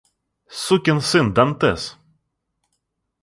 Сукин сын Дантес!